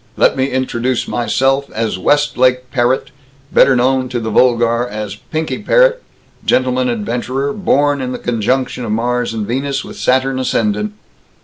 Let me introduce myself as Westlake Parrott, better known to the vulgar as Pinky Parrott, gentleman adventurer, born in the conjunction of Mars and Venus, with Saturn ascendant."